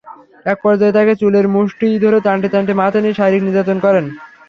একপর্যায়ে তাঁকে চুলের মুঠি ধরে টানতে টানতে মাঠে নিয়ে শারীরিক নির্যাতন করেন।